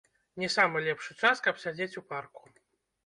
Не самы лепшы час, каб сядзець у парку.